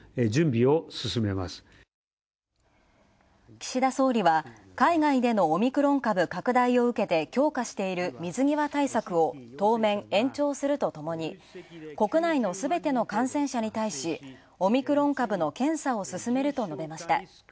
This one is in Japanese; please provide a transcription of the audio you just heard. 岸田総理は、海外でのオミクロン株拡大を受けて強化している水際対策を当面、延長するとともに、国内のすべての感染者に対し、オミクロン株の検査を進めると述べました。